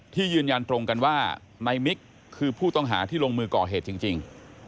ยืนยันตรงกันว่านายมิกคือผู้ต้องหาที่ลงมือก่อเหตุจริง